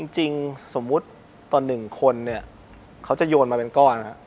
จริงสมมุติตอน๑คนเขาจะโยนมาเป็นก้อน